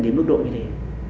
đến mức độ như thế